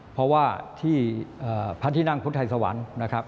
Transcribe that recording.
เพราะที่พัธินักพุทธไทยสวรรค์นะครับ